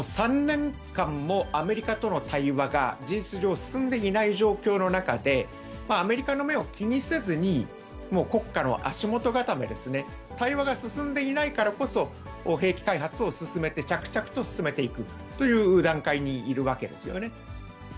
３年間もアメリカとの対話が事実上、進んでいない状況の中で、アメリカの目を気にせずに、国家の足元固めですね、対話が進んでいないからこそ、兵器開発を進めて、着々と進めていくという段階にいるわけですよね。